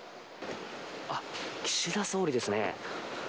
あっ、岸田総理ですね。